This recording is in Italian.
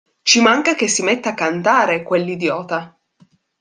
Ci manca che si metta a cantare, quell'idiota!